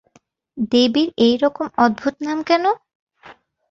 দেবীর এইরকম অদ্ভুত নাম কেন?